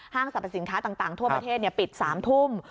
สรรพสินค้าต่างทั่วประเทศปิด๓ทุ่ม